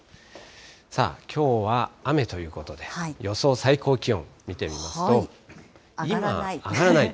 さあ、きょうは雨ということで、予想最高気温、上がらない。